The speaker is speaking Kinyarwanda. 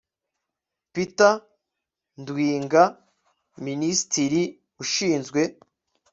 Peter N NDWIGA Minisitiri ushinzwe